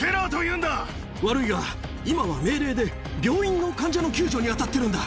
悪いが、今は命令で、病院の患者の救助に当たってるんだ。